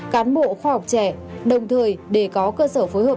cán bộ khoa học trẻ đồng thời để có cơ sở phối hợp